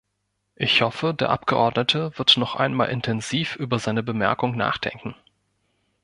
Ich hoffe, der Abgeordnete wird noch einmal intensiv über seine Bemerkung nachdenken.